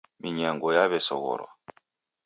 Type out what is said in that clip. Minyango yaw'esoghorwa.